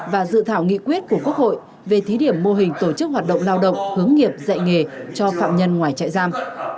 và dự thảo nghị quyết của quốc hội về thí điểm mô hình tổ chức hoạt động lao động hướng nghiệp dạy nghề cho phạm nhân ngoài trại giam